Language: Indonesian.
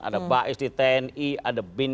ada bais di tni ada bin